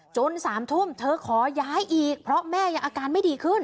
๓ทุ่มเธอขอย้ายอีกเพราะแม่ยังอาการไม่ดีขึ้น